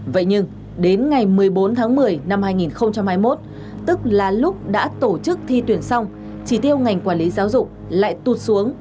vậy nhưng đến ngày một mươi bốn tháng một mươi năm hai nghìn hai mươi một tức là lúc đã tổ chức thi tuyển xong chỉ tiêu ngành quản lý giáo dục lại tụt xuống